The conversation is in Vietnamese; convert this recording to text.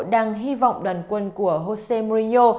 đang hy vọng đoàn quân của jose mourinho